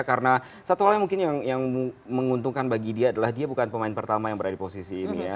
karena satu hal yang mungkin yang menguntungkan bagi dia adalah dia bukan pemain pertama yang berada di posisi ini